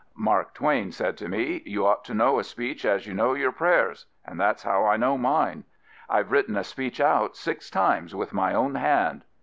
Mark Twain said to me, ' You ought to know a speech as you know your prayers,* and that*s how I know mine. Fve written a speech out six times with my own hand.